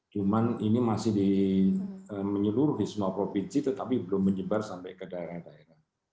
cuman ini masih di menyeluruh di semua provinsi tetapi belum menyebar sampai ke daerah daerah